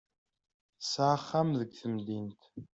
Tesɛa axxam deg temdint.